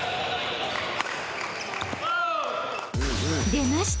［出ました！